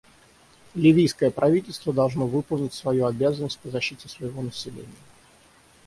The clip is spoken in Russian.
Ливийское правительство должно выполнить свою обязанность по защите своего населения.